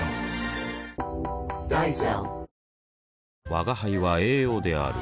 吾輩は栄養である